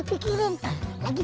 ini kayu kena situ